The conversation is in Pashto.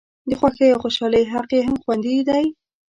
د خوښۍ او خوشالۍ حق یې هم خوندي دی.